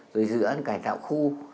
rồi dự án cải tạo khu